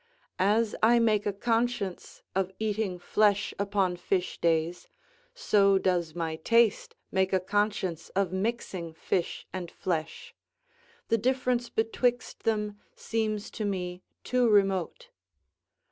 As I make a conscience of eating flesh upon fish days, so does my taste make a conscience of mixing fish and flesh; the difference betwixt them seems to me too remote.